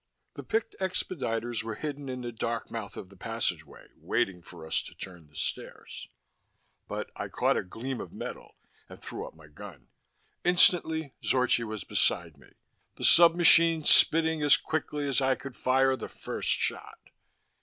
The picked expediters were hidden in the dark mouth of the passageway, waiting for us to turn the stairs. But I caught a gleam of metal, and threw up my gun. Instantly, Zorchi was beside me, the sub machine spitting as quickly as I could fire the first shot.